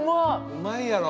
うまいやろ。